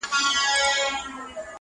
ته مور، وطن او د دنيا ښكلا ته شعر ليكې~